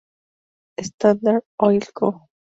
Standard Oil Co.